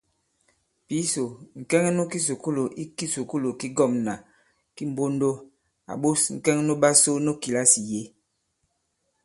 Pǐsò, ŋ̀kɛŋɛ nu kisùkulù i kisùkulù ki ŋgɔ̂mnà ki Mbondo à ɓos ŋ̀kɛŋɛ nuɓasu nu kìlasì yě.